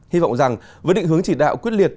hy vọng rằng với định hướng chỉ đạo quyết liệt